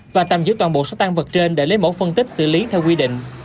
và tạm giữ toàn bộ số tan vật trên để lấy mẫu phân tích xử lý theo quy định